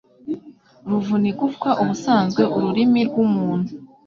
ruvuna igufa ubusanzwe ururimi rw’umuntu